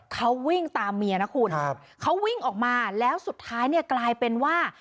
เขาวิ่งตามเมียนะคุณเขาวิ่งออกมาแล้วสุดท้ายเนี่ยกลายเป็นว่า